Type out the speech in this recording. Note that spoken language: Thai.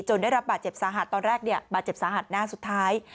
ได้รับบาดเจ็บสาหัสตอนแรกเนี่ยบาดเจ็บสาหัสหน้าสุดท้าย